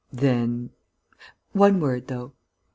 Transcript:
"Then...." "One word, though."